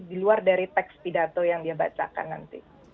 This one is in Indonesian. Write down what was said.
di luar dari teks pidato yang dia bacakan nanti